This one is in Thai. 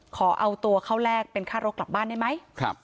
ขอเอาตัวเข้าแลกเป็นค่ารถกลับบ้านได้ไหม